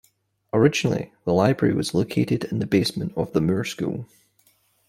Originally the library was located in the basement of the Moore School.